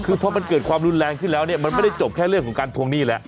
คือพอมันเกิดความรุนแรงขึ้นแล้วเนี่ยมันไม่ได้จบแค่เรื่องของการทวงหนี้แล้ว